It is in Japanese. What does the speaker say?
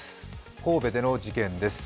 神戸での事件です。